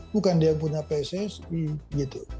bukan dia yang punya pssi